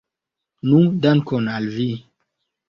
Nu, dankon al vi!